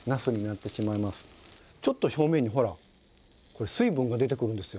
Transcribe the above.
ちょっと表面にほらこう水分が出てくるんですよ。